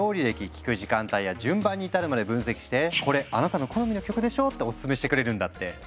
聴く時間帯や順番に至るまで分析して「これあなたの好みの曲でしょ？」ってオススメしてくれるんだって。